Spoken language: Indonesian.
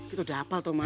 itu udah hafal tuh mas